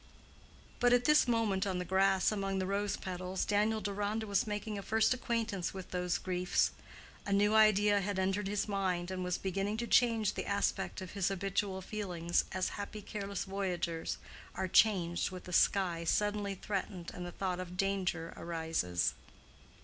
But at this moment on the grass among the rose petals, Daniel Deronda was making a first acquaintance with those griefs. A new idea had entered his mind, and was beginning to change the aspect of his habitual feelings as happy careless voyagers are changed with the sky suddenly threatened and the thought of danger arises.